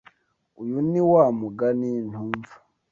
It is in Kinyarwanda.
Uyu ni wa mugani ntumva.